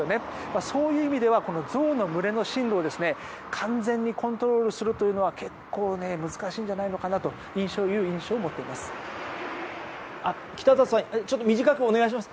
そういう意味ではゾウの群れの進路を完全にコントロールするのは結構、難しいんじゃないかという印象を持っています。